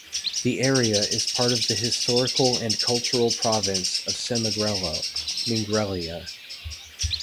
The area is part of the historical and cultural province of Samegrelo (Mingrelia).